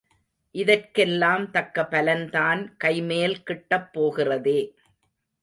இதற்கெல்லாம் தக்க பலன்தான் கைமேல் கிட்டப் போகிறதே.